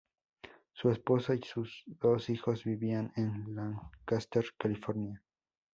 Su esposa y sus dos hijos vivían en Lancaster, California.